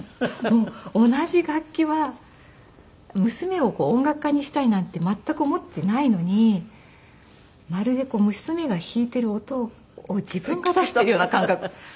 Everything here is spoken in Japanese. もう同じ楽器は娘を音楽家にしたいなんて全く思っていないのにまるで娘が弾いている音を自分が出しているような感覚。